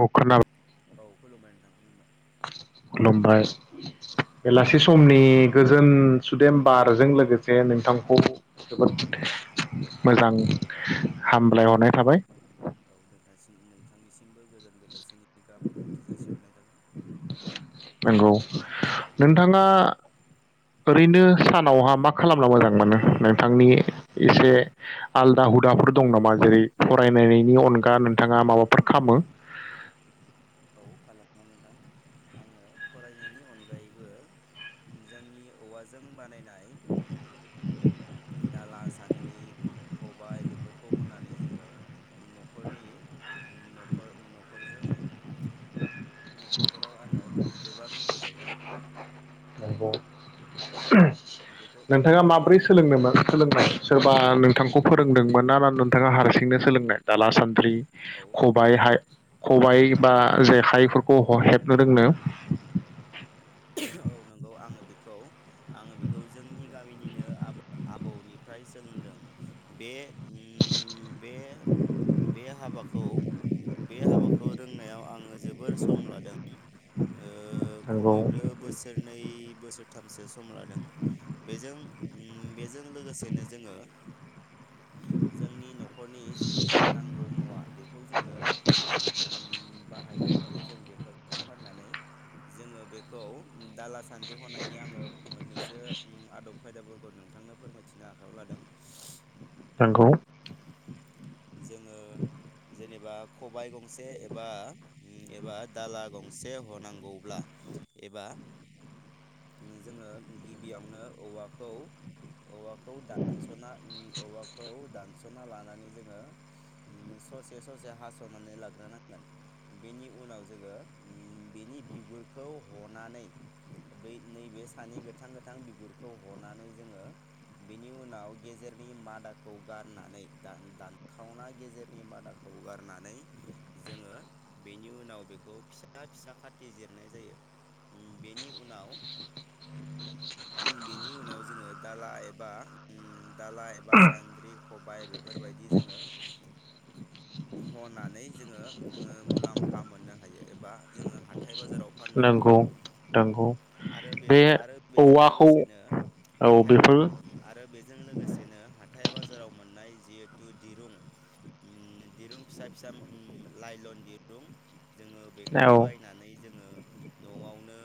अ खोनाबा औ खुलुमबाय नोंथां खुलुमबाय खुलुमबाय औ बेलासि समनि। गोजोन सुदेम बारजों लोगोसे नोंथांखौ जोबोद मोजां हामलायहरनाय थाबाय। नोंथां नोंथांनिसिमबो गोजान बेलासिनि गाह हामलायथि जासिहरनाय जाबाय। नंगौ नोंथाङा ओरैनो सानावहा मा खालामना मोजां मोनो नोंथांनि एसे आलदा हुदाफोर दं नामा जेरै फरायनायनि अनगा नोंथाङा माबाफोर खालामो। औ खालामगोन नोंथां आङो फरायनायनि अनगायैबो जोंनि औवाजों बानायनाय दाला सानद्रि खबाय बेफोरखौ होननानै जोङो न'खरनि न'खर न'खरजों। [inaudible] आंनो गोबां हेफाजाब होयो। बेखौ [inaudible] नोंथाङा बे माब्रै सोलोंदोंमोन सोलोंनाय। सोरबा नोंथांखौ फोरोंदोंमोन ना ना नोंथाङा हारसिंनो सोलोंनाय दाला सान औ औ औ खबाय-खबाय बा नंगौ जेखायफोरखौ ह हेबनो रोंनो औ नंगौ आङो बेखौ आङो बेखौ जोंनि गामिनिनो आब आबौनिफ्राय सोलोंदों बे ओय बे बे हाबाखौ खौ बे हाबाखौ रोंनायाव आङो जोबोर सम लादों औ मैबो बोसोरनै बोसोरथामसो सम लादों बेजों बेजों लोगोसेनो जोङो जोंनि नख खरनि जिखिनि नांगौ मुवा बेखौ जोङो बाहायनो हायो जों बेफोर फाननानै जोङो बे खौ दाला सानद्रि हनायनि आङो मोननैसो उम आदब खायदाफोरखौ नोंथांनो फोरमायथिनो आखायाव लादों। नोंगौ जोङो जेनेबा खबाय गंसे एबा एबा दाला गंसे हनांगौब्ला एबा जोङो गिबियावनो औवाखौ औवाखौ दानसना उम औवाखौ दानस ना लानानै जोङो उम ससे ससे हासनानै लाग्रोनांगोन बेनि उनाव जोङो बेनि बिगुरखौ हनानै बै नैबे सानि गोथां गोथां बिगुरखौ हनानै जोङो बेनि उनाव गेजेरनि मादाखौ गार नानै दान दानखावना गेजेरनि मादाखौ गारनानै जोङो बेनि उनाव बेखौ फिसा फिसा खाथि जिरनाय जायो, बेनि उनाव बेनि उनाव जोङो दाला एबा दाला एबा सानद्रि खबाय बेफोरबायदि जोङो हनानै जोङो ओ मुलाम्फा मोननो हायो एबा जोङो हाथ हाथाय बाजाराव फाननो हायो नंगौ नंगौ आरो बे आरो बेजों औवाखौ लोगोसेनो औ हाथाय बेफोर आरो बेजों लोगोसेनो थायाबा बाजाराव मोननाय जिहेथु दिरुं उम दिरुं फिसा फिसा उम लाइलन दिरुं जोङो बेखौ औ बायनानै जोङो नआवनो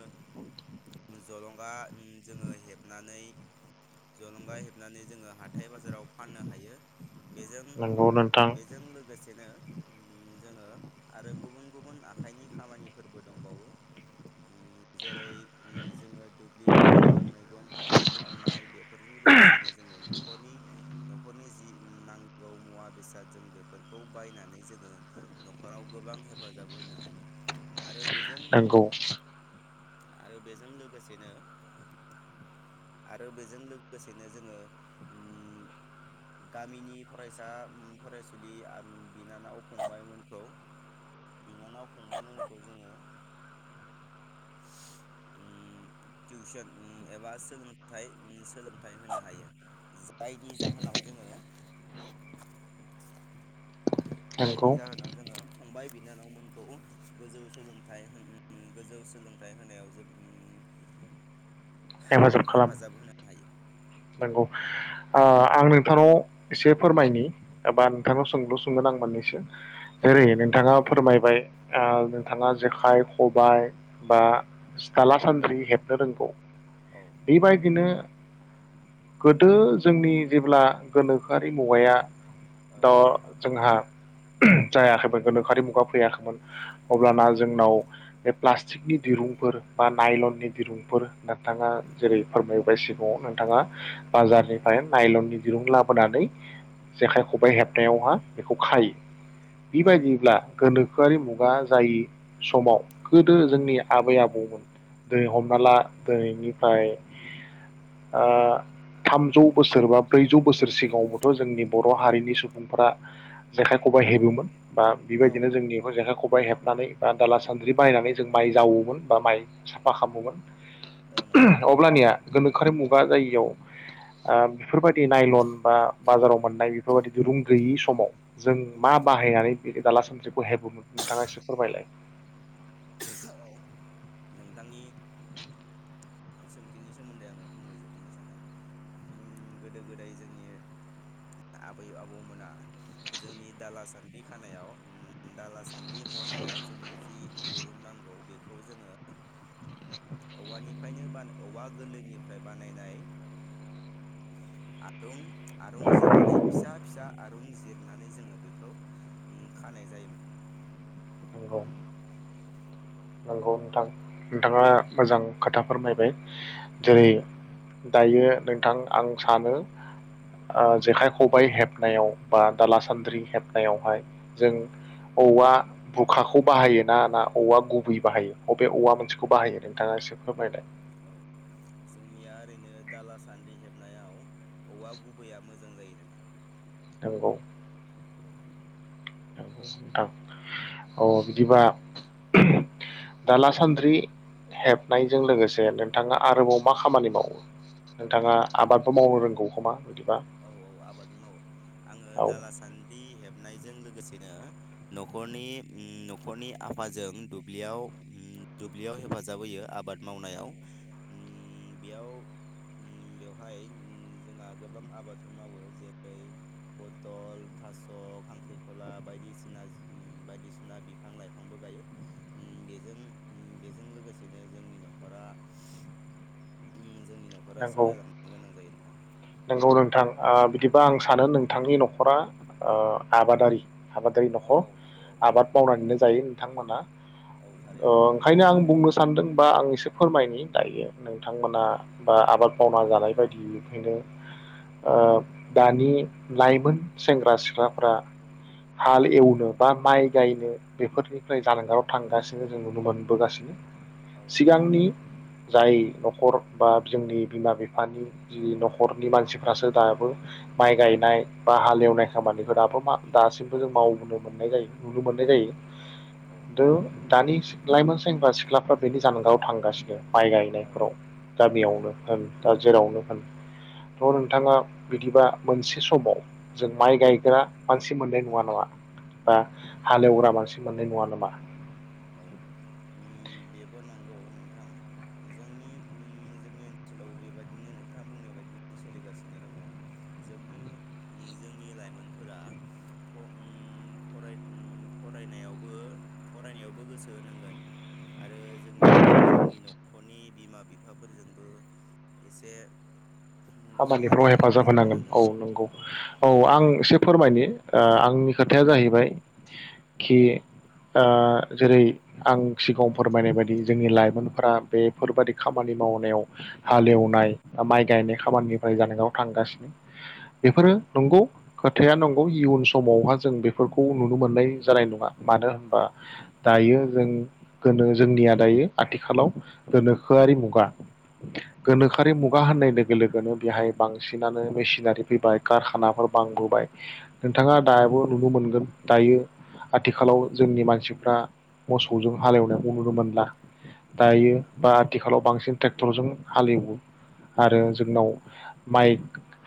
जलंगा उम जोङो हेबनानै जलंगा हेबनानै जोङो हाथाय बाजाराव फाननो हायो। बेजों नंगौ नोंथां बेजों लोगोसेनो उम जोङो आरो गुबुन गुबुन आखाइनि खामानिफोरबो दंबावो। जेरै जोङो दुब्लि फोथाराव मैगं थाइगं मावनाय बेफोरजों लोगोसेनो जोङो नखरनि नखरनि जि नांगौ मुवा बेसाद जों बेफोरखौ बायनानै जोङो न'खराव गोबां हेफाजाब होनो हायो। आरो बेजों नंगौ आरो बेजों लोगोसेनो आरो बेजों लोगोसेनो जोङो उम गामिनि फरायसा उम फरायसुलि आ उम बिनानाव फंबायमोनखौ बिनानाव फंबायमोनखौ जोङो उम टिउसन उम एबा सोलोंथाय सोलोंथाय होनो हायो जायनि जाहो जाहोनाव नाव जोङो जायनि नंगौ जाहोनाव जोङो फंबाय बिनानावमोनखौ गोजौ सोलोंथाइ उम गोजौ सोलोंथाइ होनायाव जों उम हेफाजाब खालाम नोंगौ आ आं नोंथांनाव एसे फोरमायनि एबा नोंथांनाव सोंलु सोंगोन आं मोननैसो ओरै औ नोंथाङा फोरमायबाय ओ नोंथाङा जेखाय खबाय बा दाला सान्द्रि हेबनो रोंगौ। औ बेबायदिनो गोदो जोंनि जेब्ला गोनोखोआरि मुवाया औ दा जोंहा ओम जायाखैमोन गोनोखोआरि मुगा फैयाखैमोन औ अब्लाना जोंनाव बे प्लास्ट थिकनि दिरुंफोर बा नायलननि दिरुंफोर नोंथाङा जेरै फोरमायबाय सिगाङाव नोंथाङा बाजारनिफ्राय नायलननि दिरुं लाबोनानै जेखाइ खबाइ हेबनायावहा बेखौ खायो। औ बेबायदिब्ला गोनोखोआरि मुगा जायि समाव गोदो औ जोंनि आबै आबौमोन दिनै हम माला दोनैनिफ्राय आ थामजौ बोसोर बा ब्रैजौ बोसोर सिगाङावबोथ जोंनि बर हारिनि सुबुंफोरा जेखाइ खबाइ हेबोमोन बा औ बेबायदिनो जोंनि बे जेखाइ खबाइ हेबनानै बा दाला सान्द्रि बायनानै जों माइ जावोमोन बा माइ साफा औ नंगौ खालामोमोन अब्लानिया गोनोखोआरि मुगा जायियाव ओ बेफोरबायदि नायलन बा बाजाराव मोननाय बेफोरबायदि दिरुं गैयि समाव जों मा बाहायनानै दाला सानद्रिखौ हेबोमोन नोंथाङा एसे फोरमायलाय। [unintelligible] औ नोंथांनि उम सोंथिनि सोमोन्दै आङो फंनैसो बुंनो सानदों उम गोदो गोदाय जोंनि आबै आबौमोना जोंनि दाला सान्द्रि खानायाव उम दाला सान्द्रि हनायाव जोंनि जि दि रुं नांगौ बेखौ जोङो औवानिफ्रायनो बा औवा गोरलैनिफ्राय बानायनाय आरुं आरुं जिरनानै फिसा फिसा आरुं जिरनानै जोङो बेखौ खानाय जायोमोन। नंगौ नंगौ नोंथां नोंथाङा औ मोजां खोथा फोरमायबाय औ जेरै दायो नोंथां आं सानो ओ जेखाइ खबाइ हेबनायाव बा दाला सान्द्रि हेबनायावहाय औ जों औवा भुखाखौ बाहायो ना ना औवा गुबै बाहायो बबे औवा मोनसे बे खौ बाहायो नोंथाङा एसे फोरमायनाय। औ जोंनिया ओरैनो दाला सान्द्रि हेबनायाव औवा गुबैया मोजां जायो नोंथां। नंगौ नोंथां अ बिदिबा दाला सान्द्रि हेबनायजों लोगोसे नोंथाङा आरोबाव मा खामानि मावो नोंथाङा आबादबो मावनो रोंगौ खोमा? बिदिबा औ औ आबाद मावो आङो औ दाला सान्द्रि हेबनाय जों लोगोसेनो न'खरनि न'खरनि आफाजों जों दुब्लियाव हेफाजाब होयो आबाद मावनायाव उम बेयाव उम बेवहाय उम जोंहा गोबां आबाद मावो जेरै पथल थास' खांख्रिखला बायदिना बायदिसिना बिफां लाइफांबो गायो। बेजों बेजों लोगोसेनो जोंनि न'खरा उम जोंनि न'खरा नंगौ सालायलांनो गोनां जायो नोंथां। नंगौ नोंथां ओ बिदिबा आं सानो नोंथांनि न'खरा आबादारि आबादारि औ न'खर औ नंगौ औ आबाद नोंथां औ मावनानैनो जायो नोंथांमोना औ थारैनो नंगौ ओंखायनो आं बुंनो सानदों। बा आं एसे फोरमायनो दायो। नोंथांमोना औ आबाद मावना जानाय बायदियै बेखायनो ओ दानि लाइमोन सेंग्रा सिख्लाफ्रा हाल एवनो बा माइ गायनो बेफोरनिफ्राय जानगाराव थांगासिनो जों नुनो मोनबोगासिनो। औ नंगौ नोंथां सिगांनि औ जाय न'खर बा जोंनि बिमा बिफानि जि न'खरनि मानसिफ्रासो दाबो माइ गायनाय बा हालेवनाय खामानिखौ दाबो मा दासिमबो जों मावनो मोननाय जायो नुनो मोननाय औ जायो नंगौ औ खिन्थु दानि लाइमोन सेंब्रा सिख्लाफ्रा बेनि जानगाराव थांगासिनो माइ औ गायनायफोराव दा औ बेयावनो नंगौ होन नोंथां औ दा जेरावनो थ' नोंथाङा बिदिबा मोनसे समाव जों माइ गायग्रा मानसि मोननाय नङा नामा? बा हालेवग्रा मानसि मोननाय नङा नामा? औ उम बेबो नंगौ नोंथां जोंनि ओ जोंनि ओनसोलाव बेबायदिनो नोंथाङा बुंनाय बायदिनो सोलिगासिनो दङ जोंनि जोंनि लाइमोनफोरा ओ फराय ओ फरायनायावबो फरायनायावबो गोसो होनांगोन आरो जों ओ जोंनि नख'रनि बिमा बिफाफोरजोंबो एसे खामानिफ्राव हेफाजाब होनांगोन औ नंगौ औ औ आं उम एसे फोरमायनि ओ आंनि औ खोथाया जाहैबाय खि ओ जेरै आं सिगाङाव फोरमायनाय बायदि जोंनि लाइमोनफोरा बेफोर बायदि खामानि मावनायाव हालेवनाय बा माइ गायनाय खामानिनिफ्राय जानायगाव थांगासिनो बेफोरो नंगौ खोथाया नंगौ इयुन समावहा जों बेफोरखौ नुनो मोननाय जानाय नङा। मानो औ होनबा दायो जों गोनो जोंनिया दायो आथिखालाव गोनोखोआरि मुगा औ औ गोनोखोआरि मुगा होननाय लोगो लोगो नो बेहाय बांसिनानो मेसिनारि फैबाय कारखानाफोर बांबोबाय नोंथाङा दाबो नुनो मोनगोन दायो आथिखालाव जोंनि मानसिफ्रा मोसौजों हालेवनायखौ नुनो मोनला। औ दायो नंगौ नोंथां बा औ आथिखालाव बांसिन ट्रेक्टरजों हालेवो जोंनाव गंसेसो फै दङ जोंनि ओनसोलाव सासे मानसि बा सानै मानसिल' नांगौ जागोन ट्रेक्टर सालायनो बा माइ गायनाय मेसिनखौ सामलायनो आरो माइ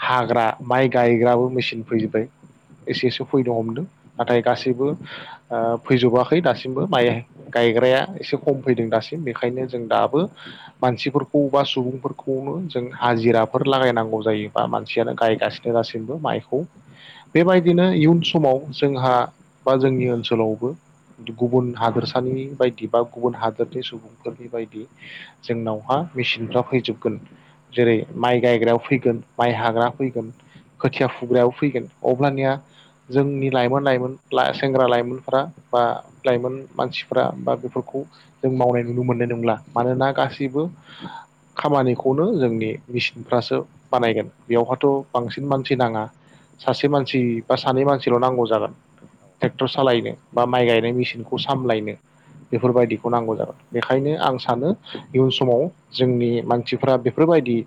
हाग्रा माइ गायग्राबो मेचिन फैजोबबाय एसे एसे फैनो हमदों नाथाय गासैबो ओ फैजोबाखै दासिमबो माइ गायग्राया एसे खम फैदों दासिम बेखायनो जों दाबो मानसिफोरखौ बा सुबुंफोरखौनो जों हाजिराफोर लागायनांगौ जायो बा मानसियानो गायगासिनो दासिमबो माइखौ। बेबायदिनो इयुन समाव जोंहा बा जोंनि ओनसोलावबो गुबुन हादोरसानि बायदि बा गुबुन हादोरनि सुबुंफोरनि बायदि जोंनावहा मेचिनफ्रा फैजोबगोन। जेरै माइ गायग्रायाव फैगोन माइ हाग्रा फैगोन खोथिया फुग्रायाव फैगोन अब्लानिया जोंनि लाइमोन लाइमोन सेंग्रा लाइमोनफोरा बा लाइमोन मानसिफ्रा बा बेफोरखौ जों मावनाय नुनो मोननाय नंला। मानोना गासैबो खामानिखौनो जों बे मेसिनफ्रासो बानायगोन बेवहाथ' बांसिन मानसि नाङा सासे मानसि बा सानै मानसिल' नांगौ जागोन। ट्रेक्टर सालायनो बा माइ गायनाय मेसिनखौ सामलायनो बेफोर बायदिखौ नांगौ जागोन बेखायनो आं सानो इयुन समाव जोंनि मानसिफोरा बे बायदि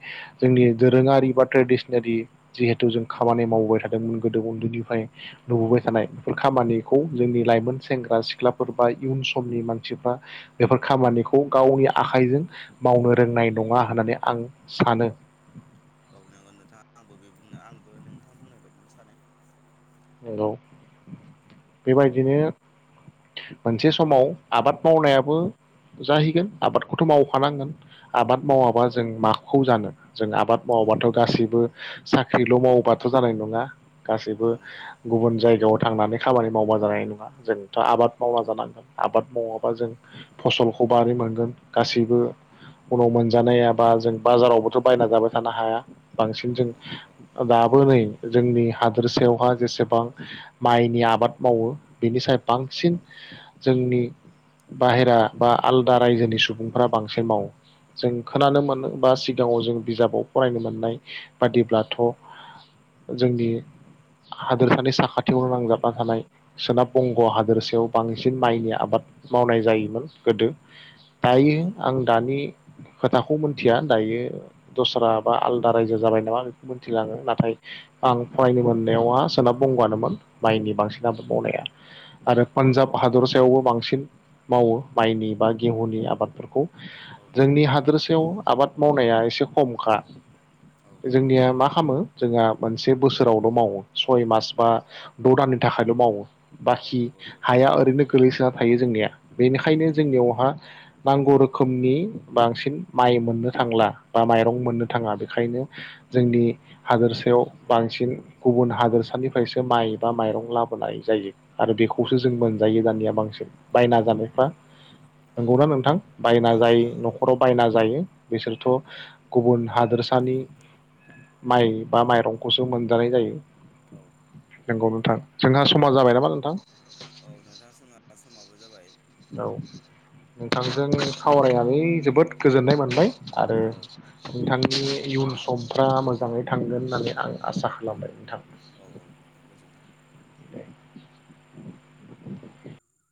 जोंनि दोरोङारि बा ट्रेडिसनारि जिहेथु जों खामानि मावबाय थादोंमोन गोदो उन्दैनिफ्राय नुबोबाय थानाय बेफोर खामानिखौ जोंनि लाइमोन सेंग्रा सिख्लाफोर बा इयुन समनि मानसिफ्रा बेफोर खामानिखौ गावनि आखाइजों मावनो रोंनाय नङा होननानै आं सानो औ नंगौ नोंथाङा आंबो आंबो नोंथां बुंनाय बायदिनो सानो। नोंगौ बेबायदिनो मोनसे समाव आबाद मावनायाबो जाहैगोन। आबादखौथ' मावखानांगोन आबाद मावाबा जों माखौ जानो जों आबाद औ मावाबाथ' गासैबो साख्रिल' मावोबाथ' जानाय नङा गासैबो औ नोंथां औ गुबुन जायगायाव थांनानै खामानि मावबा जानाय नङा। जोंथ' आबाद मावना जानांगोन आबाद औ मावाबा जों फसलखौ मारै मोनगोन गासैबो उनाव मोनजानायाबा जों बाजारावबोथ' बायना जाबाय थानो हाया। औ बांसिन जों नंगौ नोंथां औ दाबो नै जोंनि हादोरसायावहाय जेसेबां माइनि आबाद मावो बेनिसाय बांसिन जोंनि बाहेरा बा आलदा रायजोनि सुबुंफोरा बांसिन मावो। जों औ खोनानो मोनो बा सिगाङाव जों बिजाबाव फरायनो मोननाय मोननाय बादिब्लाथ' जोंनि हादोरसानि साखाथियावनो नांजाबना थानाय सोनाब बंग हादोरसायाव बांसिन माइनि आबाद मावनाय जायोमोन। गोदो दायो आं दानि खोथाखौ मोनथिया दायो दस्रा बा आलदा रायजो जाबाय नामा बेखौ मिथिला। आंङो नाथाय आं फरायनो मोन यावहा सोनाब बंगआनोमोन माइनि बांसिन आबाद मावनाया आरो पान्जाब हादरसायावबो बांसिन मावो। माइनि बा गेहुनि आबादफोरखौ औ नंगौ जोंनि हादोरसायाव आबाद मावनाया एसे खमखा औ जोंनिया मा खालामो जोंहा मोनसे बोसोरावल' मावो। सय मास बा द' दाननि थाखायल' मावो औ बाखि नंगौ औ हाया ओरैनो गोगलैसोना थायो। जोंनिया औ बेनिखायनो जोंनियावहा नांगौ रोखोमनि बांसिन माइ मोननो थांला बा माइरं मोननो थाङा बेखायनो जोंनि हादोरसायाव बांसिन गुबुन हादोरसानिफ्रायसो माइ बा माइरं लाबोनाय जायो आरो औ बेखौसो जों नंगौ मोनजायो दानिया बांसिन बायना औ जानायफ्रा। औ नंगौना नोंथां बायना औ जायो नंगौ औ नंगौ नख'राव बायना जायो बिसोरथ' गुबुन हादोरसानि माइ बा माइरंखौसो मोनजानाय जायो। औ नोंगौ नोंथां जोंहा समा औ जाबाय नंगौ नामा नोंथां? औ नोंथाङा जोंहा समाबो जाबाय। औ नोंथांजों सावरायनानै जोबोद गोजोननाय मोनबाय। आरो औ नोंथां। नि इयुन समफ्रा मोजाङै थांगोन होननानै आं आसा खालामबाय औ नोंथां। औ नोंथां गोजोनथों [inaudible]